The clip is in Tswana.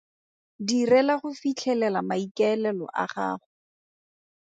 Direla go fitlhelela maikaelelo a gago.